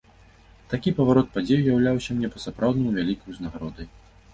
Такі паварот падзей уяўляўся мне па-сапраўднаму вялікай узнагародай.